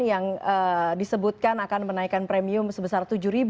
yang disebutkan akan menaikkan premium sebesar tujuh